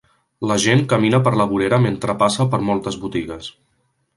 La gent camina per la vorera mentre passa per moltes botigues.